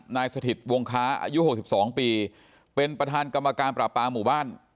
สถิตวงค้าอายุ๖๒ปีเป็นประธานกรรมการปราปาหมู่บ้าน